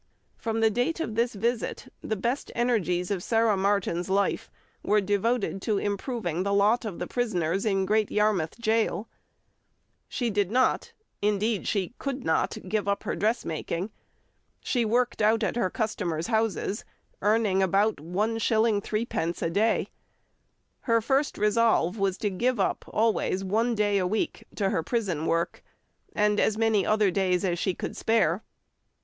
From the date of this visit, the best energies of Sarah Martin's life were devoted to improving the lot of the prisoners in Great Yarmouth Gaol. She did not—indeed, she could not—give up her dressmaking. She worked out at her customers' houses, earning about 1s. 3d. a day. Her first resolve was to give up always one day a week to her prison work, and as many other days as she could spare.